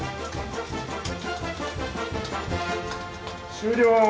終了。